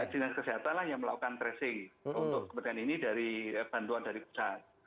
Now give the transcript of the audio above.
dinas kesehatan lah yang melakukan tracing untuk kepentingan ini dari bantuan dari pusat